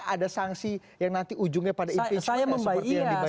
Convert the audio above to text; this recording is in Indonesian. ada sanksi yang nanti ujungnya pada impengsional seperti yang dibayar